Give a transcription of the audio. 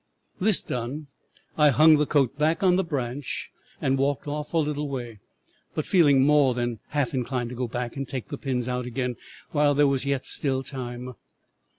"'This done, I hung the coat back on the branch and walked off a little way, but feeling more than half inclined to go back and take the pins out again while there was yet time.